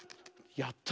やった！